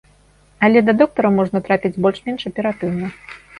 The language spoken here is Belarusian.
Але да доктара можна трапіць больш-менш аператыўна.